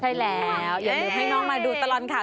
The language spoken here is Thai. ใช่แล้วอย่าลืมให้น้องมาดูตลอดข่าว